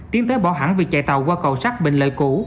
tiến tới bỏ hẳn việc chạy tàu qua cầu sát bình lợi cũ